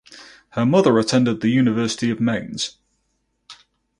Her mother attended the University of Mainz.